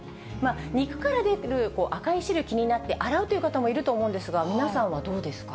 肉から出る赤い汁、気になって洗うという方もいると思うんですが、皆さんはどうですか。